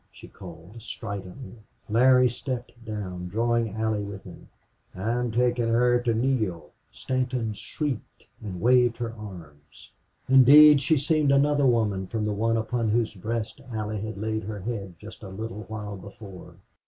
she called, stridently. Larry stepped down, drawing Allie with him. "I'm takin' her to Neale." Stanton shrieked and waved her arms. Indeed, she seemed another woman from the one upon whose breast Allie had laid her head just a little while before.